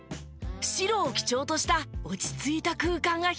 白を基調とした落ち着いた空間が広がります。